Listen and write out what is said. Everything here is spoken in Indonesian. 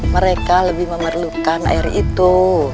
mereka lebih memerlukan air itu